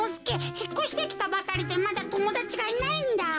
ひっこしてきたばかりでまだともだちがいないんだ。